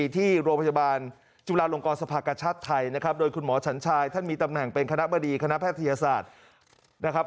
ที่โรงพยาบาลจุฬาลงกรสภากชาติไทยนะครับโดยคุณหมอฉันชายท่านมีตำแหน่งเป็นคณะบดีคณะแพทยศาสตร์นะครับ